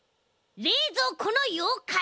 れいぞうこのようかい！